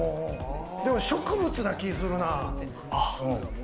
でも植物な気するな。